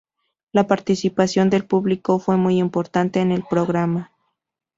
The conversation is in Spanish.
La participación del público fue muy importante en el programa.